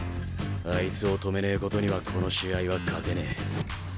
あいつを止めねえことにはこの試合は勝てねえ。